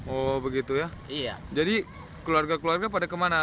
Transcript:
oh begitu ya jadi keluarga keluarga pada kemana